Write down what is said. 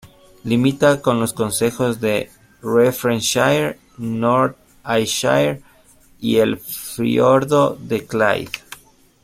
Limita con los concejos de Renfrewshire, North Ayrshire y el Fiordo de Clyde.